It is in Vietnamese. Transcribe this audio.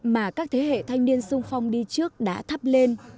mà các thế hệ thanh niên sung phong đi trước đã thắp lên